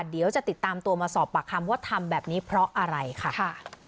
เดี๋ยวจะติดตามตัวมาสอบปากคำว่าทำแบบนี้เพราะอะไรค่ะ